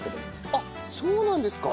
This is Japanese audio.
あっそうなんですか？